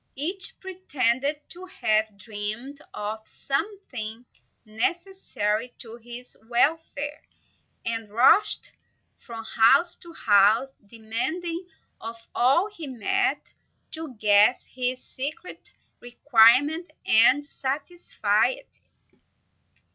Each pretended to have dreamed of something necessary to his welfare, and rushed from house to house, demanding of all he met to guess his secret requirement and satisfy it.